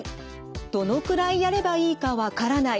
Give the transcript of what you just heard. どのくらいやればいいか分からない。